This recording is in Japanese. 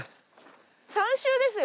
３周ですよ。